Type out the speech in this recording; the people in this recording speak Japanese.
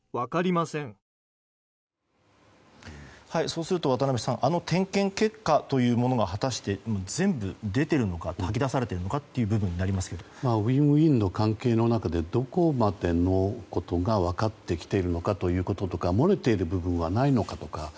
そうすると渡辺さんあの点検結果が果たして、全部出ているのか吐き出されているのかというウィンウィンの関係の中でどこまでのことが分かってきているのかとか漏れている部分はないのかとか。